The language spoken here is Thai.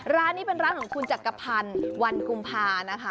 ร้านนี้เป็นร้านของคุณจักรพันธ์วันกุมภานะคะ